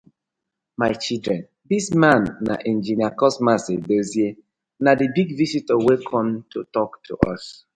My children, dis man na Engineer Cosmas Edosie, na di big visitor wey com to tok to us.